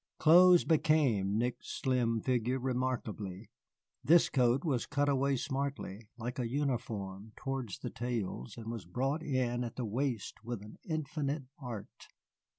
Clothes became Nick's slim figure remarkably. This coat was cut away smartly, like a uniform, towards the tails, and was brought in at the waist with an infinite art.